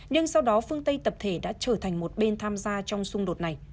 nhưng sau đó phương tây tập thể đã trở thành một bên tham gia trong xung đột này